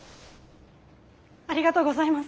ありがとうございます。